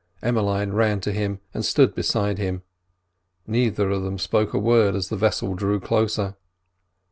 Emmeline ran to him and stood beside him; neither of them spoke a word as the vessel drew closer.